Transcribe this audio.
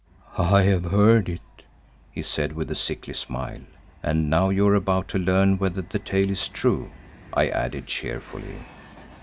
"I have heard it," he said with a sickly smile. "And now you are about to learn whether the tale is true," I added cheerfully.